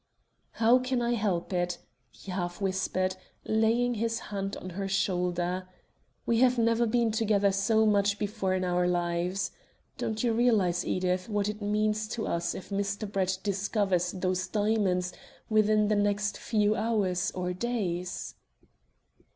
"How can I help it?" he half whispered, laying his hand on her shoulder. "We have never been together so much before in our lives. Don't you realize, Edith, what it means to us if Mr. Brett discovers those diamonds within the next few hours or days?"